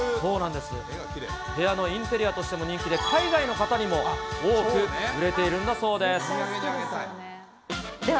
部屋のインテリアとしても人気で、海外の方にも多く売れているんだでは